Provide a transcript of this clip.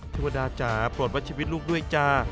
เทวดาจ๋าโปรดวัดชีวิตลูกด้วยจ้า